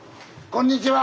・こんにちは。